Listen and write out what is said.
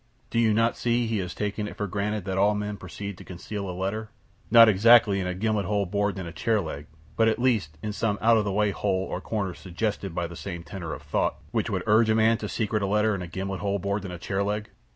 Do you not see he had taken it for granted that all men proceed to conceal a letter, not exactly in a gimlet hole bored in a chair leg, but, at least, in some out of the way hole or corner suggested by the same tenor of thought which would urge a man to secrete a letter in a gimlet hole bored in a chair leg?